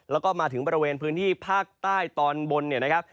แล้วก็มาถึงบริเวณพื้นที่ภาคใต้ตอนบนเนี่ยนะครับ